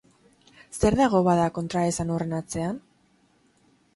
Zer dago, bada, kontraesan horren atzean?